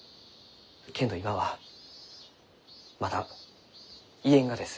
けんど今はまだ言えんがです。